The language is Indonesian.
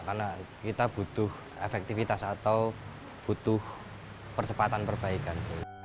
karena kita butuh efektivitas atau butuh percepatan perbaikan